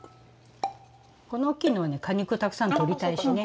この大きいのはね果肉たくさん取りたいしね。